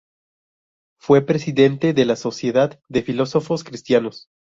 Fue presidente de la Sociedad de filósofos cristianos.